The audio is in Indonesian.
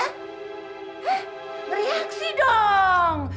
hah bereaksi dong